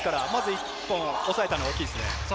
まず１本を抑えたのは大きいです。